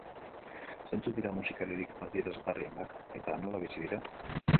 Zeintzuk dira musikaririk adierazgarrienak eta nola bizi dira?